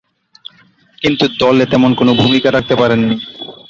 কিন্তু, দলে তেমন কোন ভূমিকা রাখতে পারেননি।